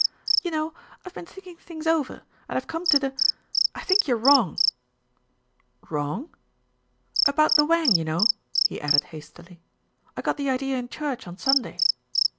"You know, I've been thinking things over, and I've come to the I think you're wrong." "Wrong?" "About the wang, you know," he added hastily. "I got the idea in church on Sunday."